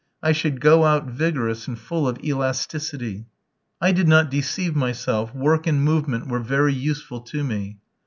I should go out vigorous and full of elasticity. I did not deceive myself, work and movement were very useful to me.